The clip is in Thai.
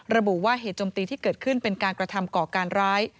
ระบุว่าเหตุจมตีที่เกิดขึ้นเป็นการกระทำก่อการร้าย